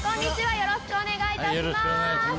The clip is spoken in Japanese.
よろしくお願いします。